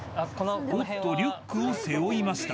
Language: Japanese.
［おっとリュックを背負いました